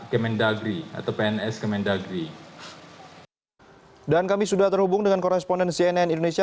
kemendagri atau pns kemendagri dan kami sudah terhubung dengan koresponden cnn indonesia